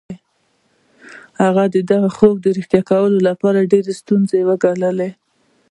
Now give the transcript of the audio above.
هغه د خوب رښتیا کولو لپاره ډېرې ستونزې وګاللې